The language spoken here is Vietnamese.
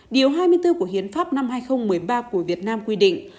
điều hai mươi bốn của hiến pháp năm hai nghìn một mươi ba của việt nam quy định